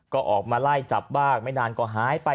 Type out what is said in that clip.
ก็ออกมาไล่จับบ้างไม่นานก็หายไป